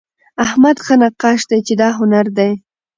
احمد ښه نقاش دئ، چي دا هنر دئ.